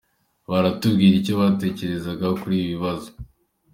baratubwira icyo batekereza kuri ibi bibazo.